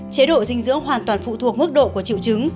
chế độ dinh dưỡng hoàn toàn phụ thuộc mức độ của triệu chứng